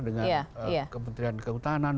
dengan kementerian kehutanan